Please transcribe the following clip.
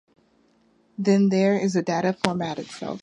Then there is the data format itself;